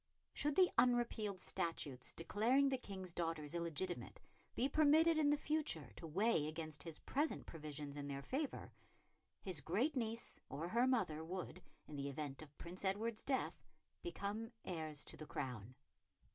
Should the unrepealed statutes declaring the King's daughters illegitimate be permitted in the future to weigh against his present provisions in their favour, his great niece or her mother would, in the event of Prince Edward's death, become heirs to the crown.